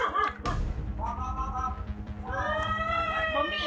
นักจิตเจ็บหรือนักจิต